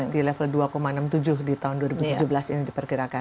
di level dua enam puluh tujuh di tahun dua ribu tujuh belas ini diperkirakan